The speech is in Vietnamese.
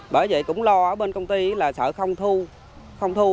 bởi vậy cũng lo ở bên công ty là sợ không thu